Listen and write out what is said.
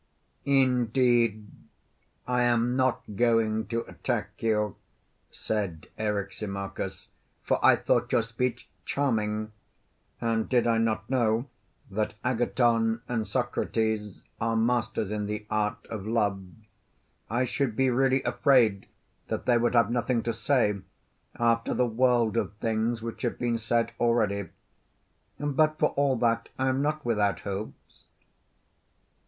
Indeed, I am not going to attack you, said Eryximachus, for I thought your speech charming, and did I not know that Agathon and Socrates are masters in the art of love, I should be really afraid that they would have nothing to say, after the world of things which have been said already. But, for all that, I am not without hopes.